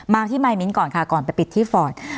มาที่มายมิ้นก่อนค่ะก่อนไปปิดที่ฟอร์ต